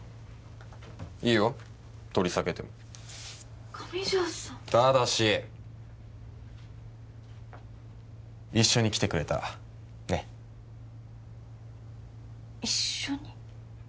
いいよ取り下げても上条さんただし一緒に来てくれたらねっ一緒に？